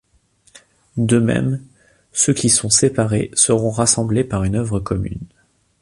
De même ceux qui sont séparés seront rassemblés par une œuvre commune.